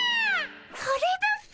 それだっピ。